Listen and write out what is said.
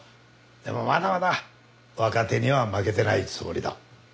でもまだまだ若手には負けてないつもりだ。